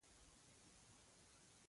پلاستيکي توکي انسان ته اسانتیا هم لري.